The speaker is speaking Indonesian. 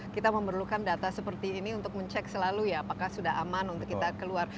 kita memerlukan data seperti ini untuk mencek selalu ya apakah sudah aman untuk kita keluar